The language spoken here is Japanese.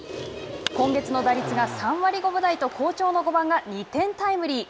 今月の打率が３割５分台と好調の５番が２点タイムリー。